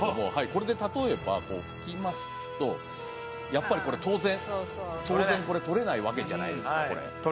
これで例えばこう拭きますとやっぱりこれ当然当然取れないわけじゃないですかこれ。